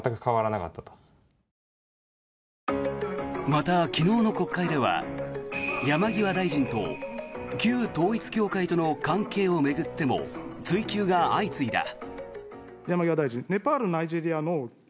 また、昨日の国会では山際大臣と旧統一教会との関係を巡っても追及が相次いだ。